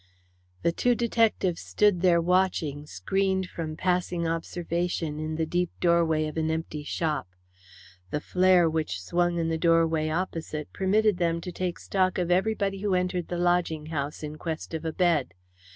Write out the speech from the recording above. The two detectives stood there, watching, screened from passing observation in the deep doorway of an empty shop. The flare which swung in the doorway opposite permitted them to take stock of everybody who entered the lodging house in quest of a bed.